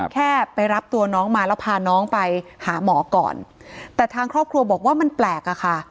แค่ไปรับตัวน้องมาแล้วพาน้องไปหาหมอก่อนแต่ทางครอบครัวบอกว่ามันแปลกอะค่ะ